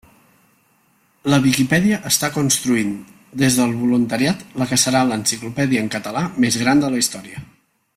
La Viquipèdia està construint des del voluntariat la que serà l'enciclopèdia en català més gran de la història.